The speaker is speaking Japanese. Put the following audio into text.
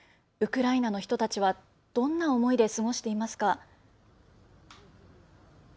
ウクライナの人たちはどんな思いで過ごしていますか？